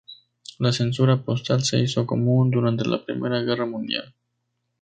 La censura postal se hizo común durante la Primera Guerra Mundial.